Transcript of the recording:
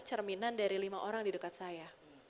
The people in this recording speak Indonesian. cerminan dari lima orang di dekat saya